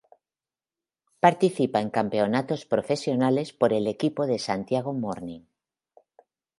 Participa en campeonatos profesionales por el equipo de Santiago Morning.